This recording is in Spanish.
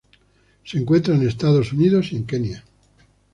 Se encuentra en Estados Unidos y Kenia.